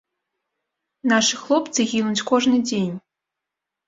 Нашы хлопцы гінуць кожны дзень.